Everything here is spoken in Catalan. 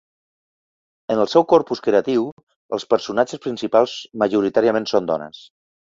En el seu corpus creatiu, els personatges principals majoritàriament són dones.